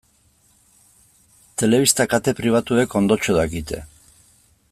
Telebista kate pribatuek ondotxo dakite.